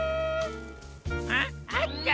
あっあった。